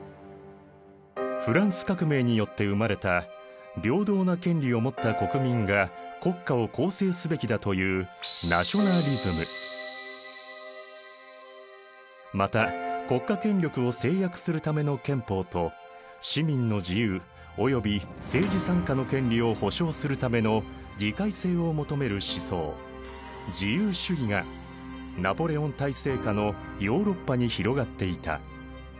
フランス革命によって生まれた平等な権利を持った国民が国家を構成すべきだというまた国家権力を制約するための憲法と市民の自由および政治参加の権利を保障するための議会制を求める思想自由主義がナポレオン体制下のヨーロッパに広がっていた。